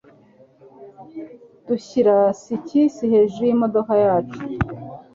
Dushyira skisi hejuru yimodoka yacu.